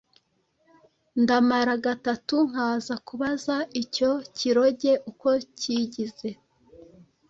ndamara gatatu nkaza kubaza icyo kiroge uko kigize”.